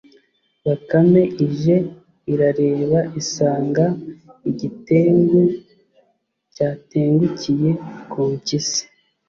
bakame ije, irareba isanga igitengu cyatengukiye ku mpyisi,